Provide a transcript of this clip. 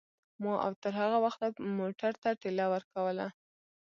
ما او تر هغه وخته موټر ته ټېله ورکوله.